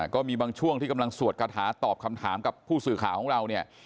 ก็มีบางช่วงที่กำลังสวดกระถาตอบคำถามกับผู้สื่อข่าวของเราเนี่ย